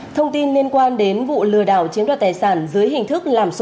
thông tin liên quan đến vụ lừa đảo chiếm đoạt tài sản dưới hình thức làm sổ